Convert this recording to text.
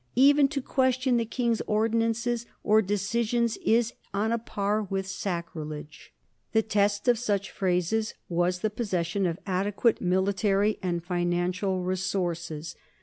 Even to question the king's ordinances or de cisions is on a par with sacrilege. The test of such phrases was the possession of ade quate military and financial resources.